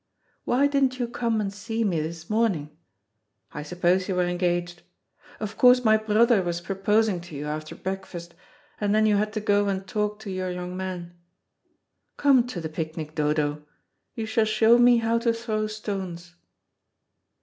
Why didn't you come and see me this morning? I suppose you were engaged. Of course my brother was proposing to you after breakfast, and then you had to go and talk to your young man. Come to the picnic, Dodo. You shall show me how to throw stones."